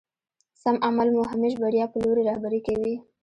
سم عمل مو همېش بريا په لوري رهبري کوي.